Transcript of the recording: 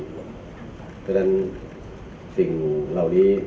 เพราะฉะนั้นสิ่งเหล่านี้